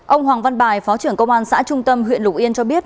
ông hoàng văn bài phó trưởng công an xã trung tâm huyện lục yên cho biết